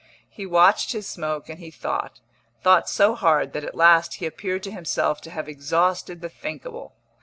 He watched his smoke and he thought, thought so hard that at last he appeared to himself to have exhausted the thinkable.